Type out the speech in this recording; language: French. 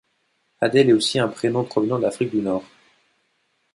Adel est aussi un prénom provenant d’Afrique du Nord.